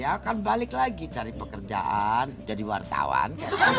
ya akan balik lagi cari pekerjaan jadi wartawan